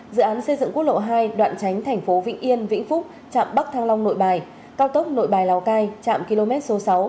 dự án xây dựng quốc lộ hai đoạn tránh thành phố vĩnh yên vĩnh phúc chạm bắc thăng long nội bài cao tốc nội bài lào cai trạm km số sáu